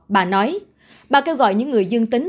bà nói bà kêu gọi những người dương tính